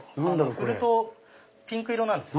振るとピンク色なんですよ。